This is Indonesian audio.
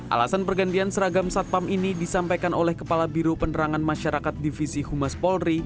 alasan pergantian seragam satpam ini disampaikan oleh kepala biro penerangan masyarakat divisi humas polri